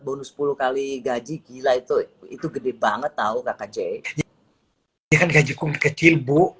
bonus sepuluh kali gaji gila itu itu gede banget tahu kkj yang gaji cukup kecil bu